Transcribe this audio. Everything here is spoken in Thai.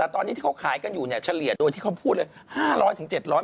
ตอนนี้ทีเขาขายกันอยู่เนี่ยชะเลี่ยดโดยที่เขาพูดเลย